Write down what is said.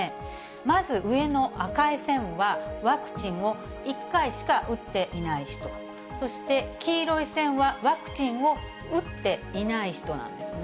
まず上の赤い線は、ワクチンを１回しか打っていない人、そして黄色い線はワクチンを打っていない人なんですね。